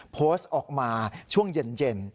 โพสต์ออกมาช่วงเย็น